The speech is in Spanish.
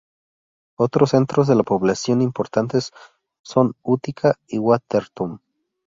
Otros centros de población importantes son Utica y Watertown.